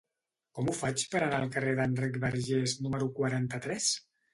Com ho faig per anar al carrer d'Enric Bargés número quaranta-tres?